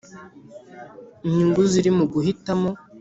Inyungu ziri mu guhitamo